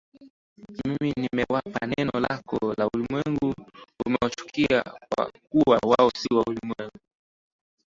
Mimi nimewapa neno lako na ulimwengu umewachukia kwa kuwa wao si wa ulimwengu